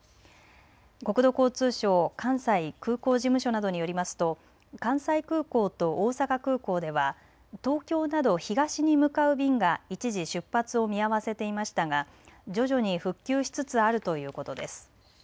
国土交通省関西空港事務所などによりますと、関西空港と大阪空港では東京など東に向かう便が一時出発を見合わせていましたが徐々に復旧しつつあるということです。